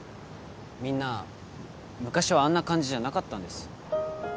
みんな昔はあんな感じじゃなかったんです